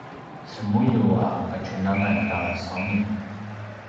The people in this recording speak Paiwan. cemulju a kadjunangan ta sauni